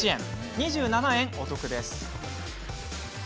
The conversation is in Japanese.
２７円お得です。